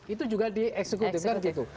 itu juga di eksekutif kan gitu